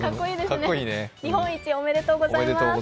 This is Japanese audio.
日本一、おめでとうございます！